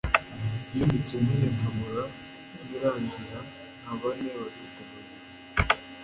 iyo mbikeneye nshobora kukwiringira nka bane batatu babiri